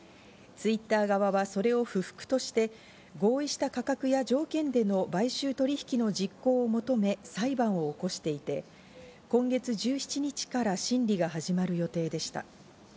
Ｔｗｉｔｔｅｒ側はそれを不服として、合意した価格や条件での買収取引の実行を求め裁判を起こしていて、今月１７日から審理が始まる予定でした。